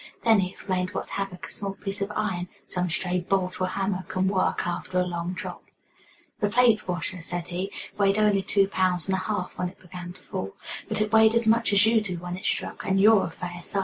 Then he explained what havoc a small piece of iron some stray bolt or hammer can work after a long drop. "That plate washer," said he, "weighed only two pounds and a half when it began to fall; but it weighed as much as you do when it struck and you're a fair size."